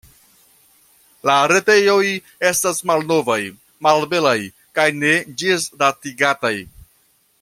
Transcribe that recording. La retejoj estas malnovaj, malbelaj kaj ne ĝisdatigataj.